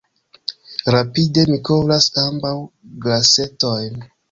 Rapide mi kovras ambaŭ glasetojn.